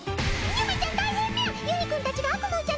ゆめちゃん大変みゃ！